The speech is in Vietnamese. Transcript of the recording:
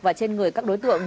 và trên người các đối tượng